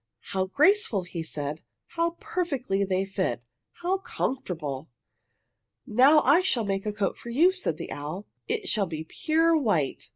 "How graceful!" he said. "How perfectly they fit! How comfortable." "Now I shall make a coat for you," said the owl. "It shall be pure white.